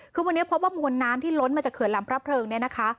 คือวันนี้พบว่ามวลน้ำที่ล้นมาจากเขื่อนลำพระเพลิงเนี่ยนะคะ